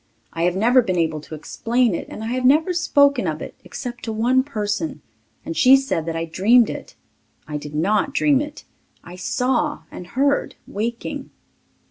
I have never been able to explain it and I have never spoken of it except to one person and she said that I dreamed it. I did not dream it ... I saw and heard, waking.